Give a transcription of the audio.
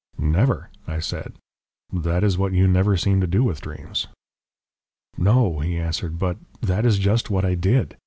"Never," I said. "That is what you never seem to do with dreams." "No," he answered. "But that is just what I did.